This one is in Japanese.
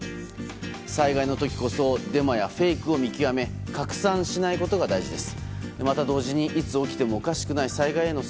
災害の時こそデマやフェイクを見極め拡散しないことが大事です。